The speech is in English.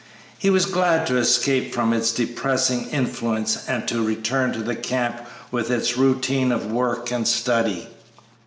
He was glad to escape from its depressing influence and to return to the camp with its routine of work and study.